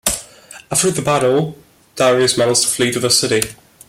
After the battle, Darius managed to flee to the city.